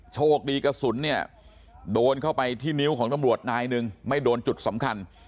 โชคดีกระสุนเนี่ยโดนเข้าไปที่นิ้วของตำรวจนายหนึ่งไม่โดนจุดสำคัญ